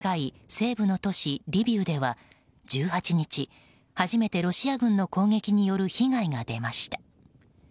ポーランドに近い西部の都市リビウでは１８日、初めてロシア軍の攻撃による被害が出ました。